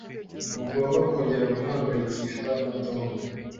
Ntugomba kongera guhangayikishwa na Tom.